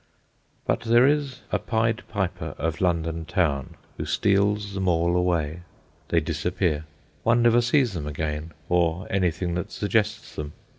But there is a Pied Piper of London Town who steals them all away. They disappear. One never sees them again, or anything that suggests them.